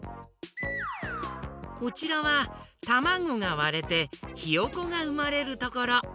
こちらはたまごがわれてひよこがうまれるところ。